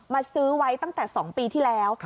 ซื้อไว้ตั้งแต่๒ปีที่แล้ว